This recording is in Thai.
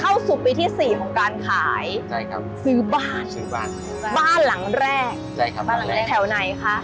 เข้าสู่ปีที่สี่ของการขายซื้อบ้านบ้านหลังแรกแถวไหนคะ